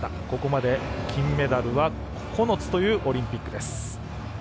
ここまで金メダルは９つというオリンピックです。